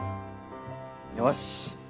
よし。